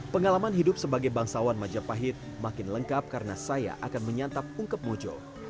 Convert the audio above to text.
pengalaman hidup sebagai bangsawan majapahit makin lengkap karena saya akan menyantap ungkep mojo